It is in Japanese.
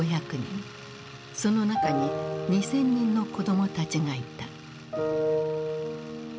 その中に２，０００人の子供たちがいた。